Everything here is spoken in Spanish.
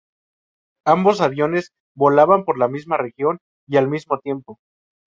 Ambos aviones volaban por la misma región y al mismo tiempo.